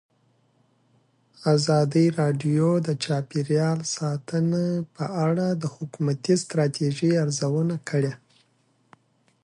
ازادي راډیو د چاپیریال ساتنه په اړه د حکومتي ستراتیژۍ ارزونه کړې.